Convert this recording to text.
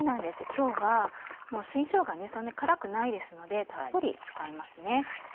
今日は新しょうがそんなに辛くないですのでたっぷり使いますね。